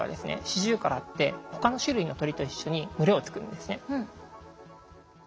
シジュウカラって他の種類の鳥と一緒に群れを作るんですね。